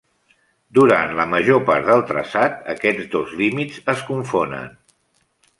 Durant la major part del traçat, aquests dos límits es confonen.